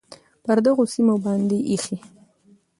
پر دغو سیمو باندې ایښی،